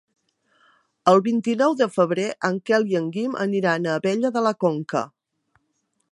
El vint-i-nou de febrer en Quel i en Guim aniran a Abella de la Conca.